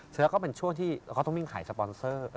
แล้วก็เป็นช่วงที่เขาต้องวิ่งขายสปอนเซอร์